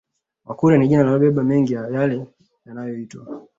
Wakurya ni jina linalobeba mengi ya yale yanaoyoitwa